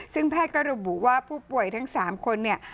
ซึ่งแพทย์ก็ระบุว่าผู้ป่วยทั้ง๓คนเนี่ย